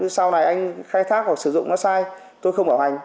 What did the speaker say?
sau này anh khai thác hoặc sử dụng nó sai tôi không bảo hành